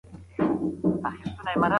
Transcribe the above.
شپې اخستى په ځان نه وي حساب نه دى